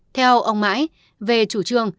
theo ông mãi về chủ trương